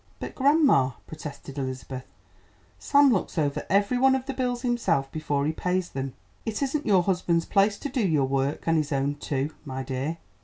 "But grandma," protested Elizabeth, "Sam looks over every one of the bills himself before he pays them." "It isn't your husband's place to do your work and his own too, my dear."